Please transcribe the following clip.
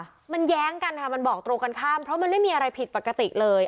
มันแย้งกันค่ะมันบอกตรงกันข้ามเพราะมันไม่มีอะไรผิดปกติเลย